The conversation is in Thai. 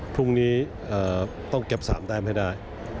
พรุ่งนี้ต้องเก็บ๓แต้มให้ได้